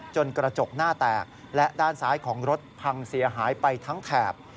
กระจกหน้าแตกและด้านซ้ายของรถพังเสียหายไปทั้งแถบ